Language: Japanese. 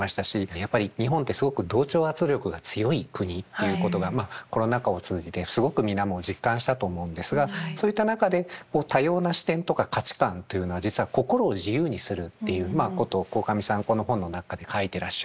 やっぱり日本ってすごく同調圧力が強い国っていうことがコロナ禍を通じてすごく皆も実感したと思うんですがそういった中でこう多様な視点とか価値観というのは実は心を自由にするっていうことを鴻上さんこの本の中で書いてらっしゃって。